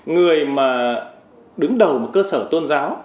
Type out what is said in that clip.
người mà đứng đầu một cơ sở tôn giáo